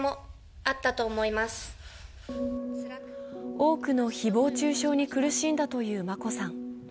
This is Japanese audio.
多くの誹謗中傷に苦しんだという眞子さん。